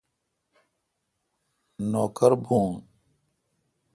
نوکر بھون۔